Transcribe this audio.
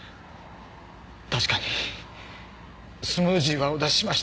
確かにスムージーはお出ししました。